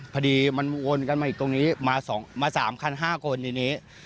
พอดีมันวนกันมาอีกตรงนี้มาสองมาสามคันห้าคนอย่างนี้